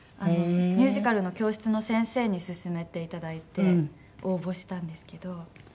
ミュージカルの教室の先生に勧めていただいて応募したんですけど。